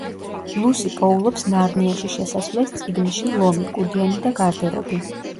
ლუსი პოულობს ნარნიაში შესასვლელს წინგში „ლომი, კუდიანი და გარდერობი“.